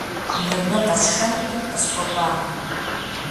Мыбы къэсшэнути, къысхуэкӀуакъым.